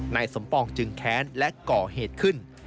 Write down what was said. นายสมปองจึงแค้นและก่อเหตุขึ้น